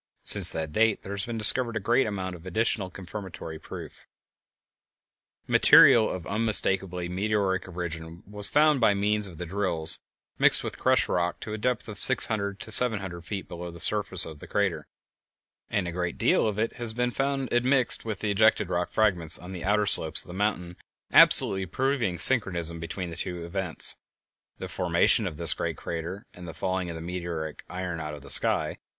Since that date there has been discovered a great amount of additional confirmatory proof). Material of unmistakably meteoric origin was found by means of the drills, mixed with crushed rock, to a depth of six hundred to seven hundred feet below the floor of the crater, and a great deal of it has been found admixed with the ejected rock fragments on the outer slopes of the mountain, absolutely proving synchronism between the two events, the formation of this great crater and the falling of the meteoric iron out of the sky.